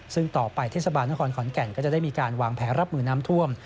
ซึ่งต่อไปเทศบาลนครขอนแก่นก็จะได้มีการวางแผนรับมือน้ำท่วม